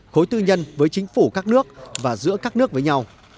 khối tư nhân với chính phủ các nước và giữa các nước với nhau